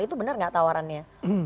itu benar gak tawarannya